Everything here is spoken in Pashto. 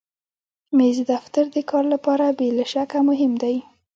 مېز د دفتر د کار لپاره بې له شکه مهم دی.